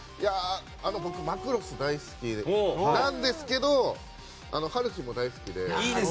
僕、「マクロス」大好きなんですけど「ハルヒ」も大好きで。